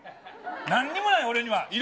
なんにもない、俺には。